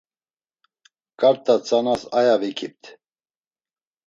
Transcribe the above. Ǩarta tzanas aya vikipt.